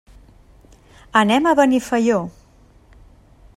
Anem a Benifaió.